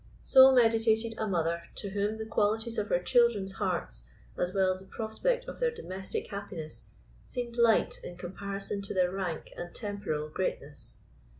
So meditated a mother to whom the qualities of her children's hearts, as well as the prospect of their domestic happiness, seemed light in comparison to their rank and temporal greatness.